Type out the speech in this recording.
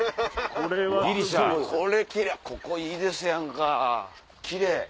ここいいですやんか奇麗。